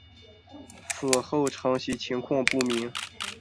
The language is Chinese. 此后承袭情况不明。